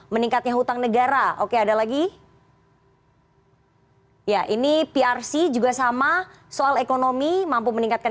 meningkatnya hutang negara oke ada lagi ya ini prc juga sama soal ekonomi mampu meningkatkan